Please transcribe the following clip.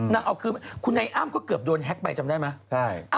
นางเอาคือคุณไอ้อ้ำก็เกือบโดนแฮ็กไปจำได้ไหม